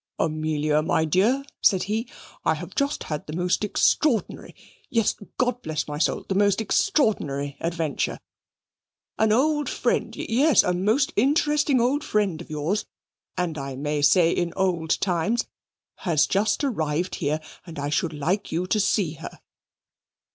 "Amelia, my dear," said he, "I have just had the most extraordinary yes God bless my soul! the most extraordinary adventure an old friend yes, a most interesting old friend of yours, and I may say in old times, has just arrived here, and I should like you to see her."